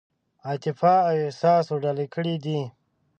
عاطفه او احساس ورډالۍ کړي دي.